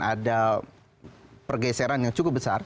ada pergeseran yang cukup besar